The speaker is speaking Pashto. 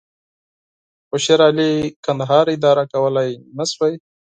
خو شېرعلي کندهار اداره کولای نه شوای.